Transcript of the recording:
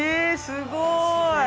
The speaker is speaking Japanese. すごい。